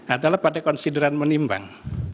adalah pada konsideran menimbang